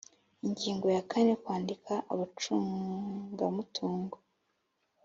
Ingingo ya kane Kwandika abacungamutungo